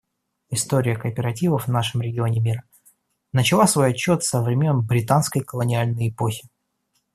История кооперативов в нашем регионе мира начала свой отсчет со времен британской колониальной эпохи.